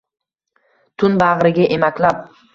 Tun bag’riga emaklab